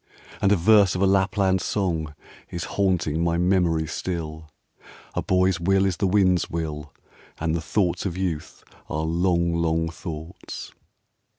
And a verse of a Lapland song Is haunting my memory still : "A boy's will is the wind's will, And the thoughts of youth, are long, long thoughts.'